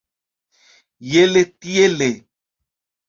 Iele tiele.